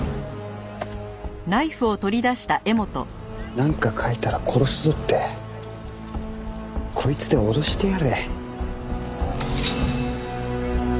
「なんか書いたら殺すぞ」ってこいつで脅してやれ。